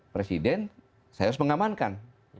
presiden saya harus mengamankan